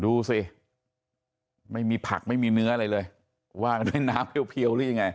ดูไม่มีผักไม่มีเนื้ออะไรเลยว่างด้วยน้ำเพรียวเพียวอะไรหนึ่งัย